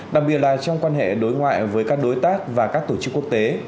đặc biệt là trong quan hệ đối ngoại với các đối tác và các tổ chức quốc tế